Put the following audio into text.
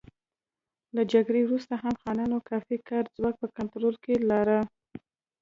له جګړې وروسته هم خانانو کافي کاري ځواک په کنټرول کې لاره.